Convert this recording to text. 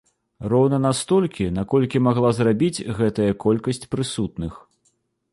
Роўна настолькі, наколькі магла зрабіць гэтая колькасць прысутных.